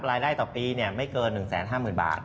รายได้ต่อปีไม่เกิน๑๕๐๐๐บาท